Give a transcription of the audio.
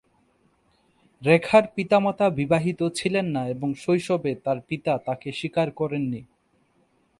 রেখার পিতামাতা বিবাহিত ছিলেন না এবং শৈশবে তার পিতা তাকে স্বীকার করেননি।